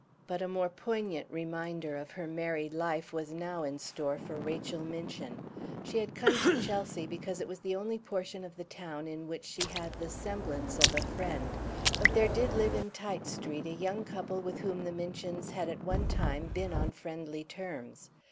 But a more poignant reminder of her married life was now in store for Rachel Minchin. She had come to Chelsea because it was the only portion of the town in which she had the semblance of a friend; but there did live in Tite Street a young couple with whom the Minchins had at one time been on friendly terms.